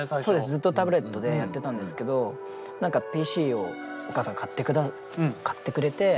ずっとタブレットでやってたんですけど何かＰＣをお母さんが買ってくれて。